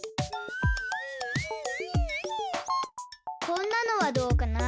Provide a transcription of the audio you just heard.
こんなのはどうかな。